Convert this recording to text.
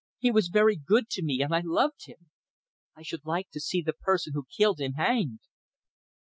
He was very good to me, and I loved him. I should like to see the person who killed him hanged!"